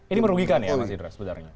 ini merugikan ya mas indra sebenarnya